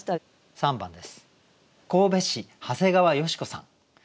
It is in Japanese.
３番です。